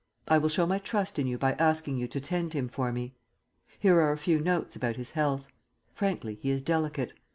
I will show my trust in you by asking you to tend him for me. Here are a few notes about his health. Frankly he is delicate.